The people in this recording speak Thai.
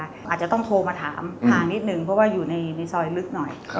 อาจจะต้องโทรมาถามทางนิดนึงเพราะว่าอยู่ในซอยลึกหน่อย